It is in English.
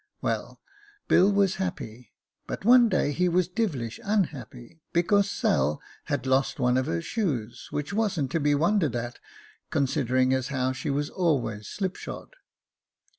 Well, Bill was happy — but one day he was devilish unhappy, because Sail had lost one of her shoes, which wasn't to be wondered at, con sidering as how she was always slipshod.